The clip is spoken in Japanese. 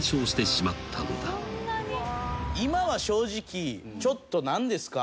今は正直ちょっと何ですか？